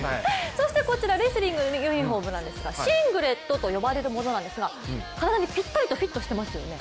こちらレスリングのユニフォームですがシングレットと呼ばれるものですが、体にぴったりとフィットしていますよね。